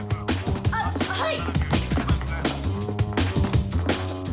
あっはい！